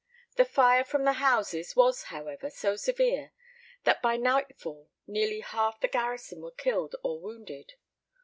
The fire from the houses was, however, so severe, that by nightfall nearly half the garrison were killed or wounded.